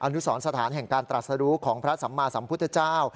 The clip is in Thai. นุสรสถานแห่งการตรัสรู้ของพระสัมมาสัมพุทธเจ้า